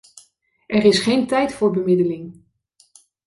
Er is geen tijd voor bemiddeling.